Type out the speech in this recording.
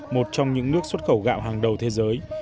một trong những nước xuất khẩu gạo hàng đầu thế giới